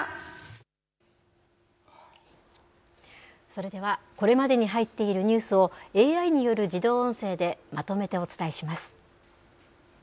それでは、これまでに入っているニュースを、ＡＩによる自動音声でまとめてお伝えします。